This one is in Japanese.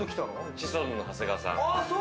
シソンヌの長谷川さん。